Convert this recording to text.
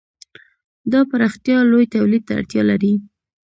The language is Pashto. دا پراختیا لوی تولید ته اړتیا لري.